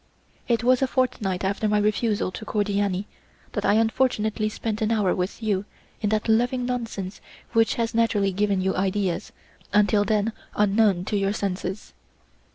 It was a fortnight after my refusal to Cordiani, that I unfortunately spent an hour with you in that loving nonsense which has naturally given you ideas until then unknown to your senses.